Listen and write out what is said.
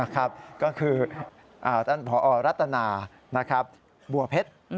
ก็คือต้อนรัฐนาบัวเพชร